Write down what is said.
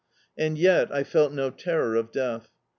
And yet I felt no terror of death.